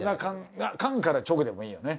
缶から直でもいいよね。